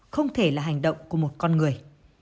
không thể là hành động của một con người